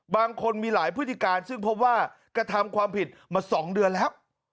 บางคนมีหลายพฤติการซึ่งพบว่ากระทำความผิดมา๒เดือนแล้ว